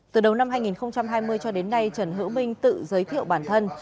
từ đầu năm hai nghìn hai mươi cho đến nay trần hữu minh tự giới thiệu bản thân